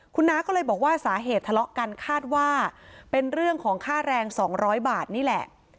คุณน้าก็เลยบอกว่าสาเหตุทะเลาะกันคาดว่าเป็นเรื่องของค่าแรง๒๐๐บาทนี่แหละ